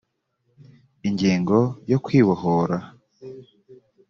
ingingo yo kwibohorra